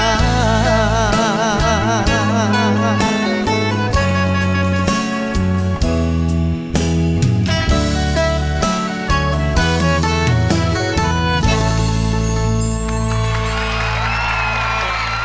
ขอบคุณครับผม